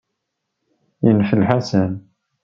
Yenfel Ḥasan.